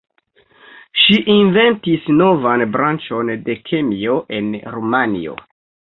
Si inventis novan branĉon de kemio en Rumanio.